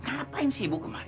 ngapain sih ibu kemari